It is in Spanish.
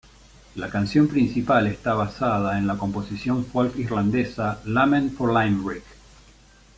La canción principal está basada en la composición folk irlandesa "Lament for Limerick".